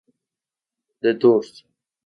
The Doors.